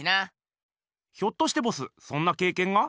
ひょっとしてボスそんなけいけんが？